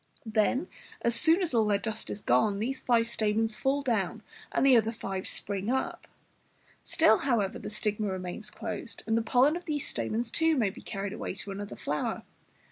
Then, as soon as all their dust is gone, these five stamens fall down, and the other five spring up. Still, however, the stigma remains closed, and the pollen of these stamens, too, may be carried away to another flower.